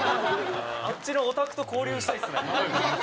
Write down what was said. あっちのオタクと交流したいですね。